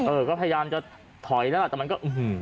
เออก็พยายามจะถอยแล้วล่ะแต่มันก็อื้อหือ